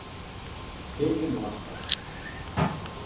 Tempo mostra.